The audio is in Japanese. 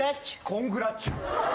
「コングラッチュ」